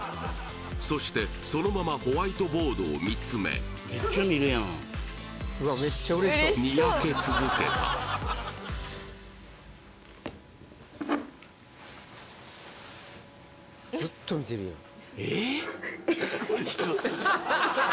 そしてそのままホワイトボードを見つめにやけ続けたずっと見てるやんえっ？